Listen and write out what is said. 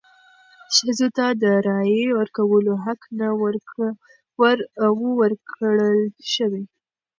ښځو ته د رایې ورکولو حق نه و ورکړل شوی.